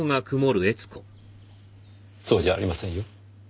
そうじゃありませんよ。